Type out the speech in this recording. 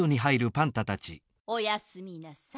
おやすみなさい。